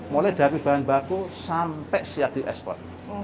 mulai dari bahan baku sampai siap di ekspor